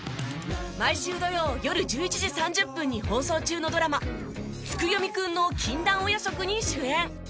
毎週土曜よる１１時３０分に放送中のドラマ『月読くんの禁断お夜食』に主演。